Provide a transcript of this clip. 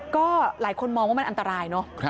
ก็หลายคนมองว่ามันอันตรายเนอะ